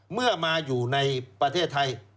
เมื่อมาอยู่ในประเทศไทย